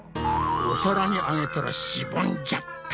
お皿にあげたらしぼんじゃった。